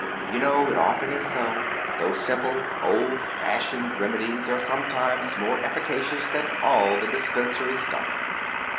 You know, it often is so—those simple, old fashioned remedies are sometimes more efficacious than all the dispensary stuff.